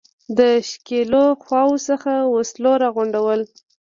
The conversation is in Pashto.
د ښکېلو خواوو څخه وسلو را غونډول.